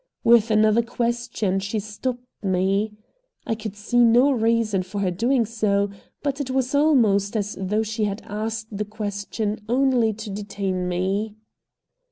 With another question she stopped me. I could see no reason for her doing so, but it was almost as though she had asked the question only to detain me.